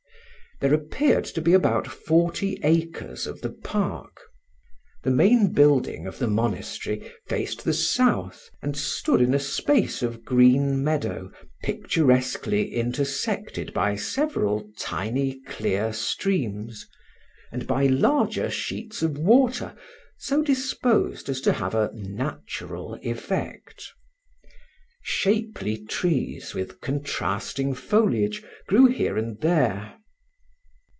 There appeared to be about forty acres of the park. The main building of the monastery faced the south, and stood in a space of green meadow, picturesquely intersected by several tiny clear streams, and by larger sheets of water so disposed as to have a natural effect. Shapely trees with contrasting foliage grew here and there.